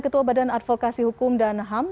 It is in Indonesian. ketua badan advokasi hukum dan ham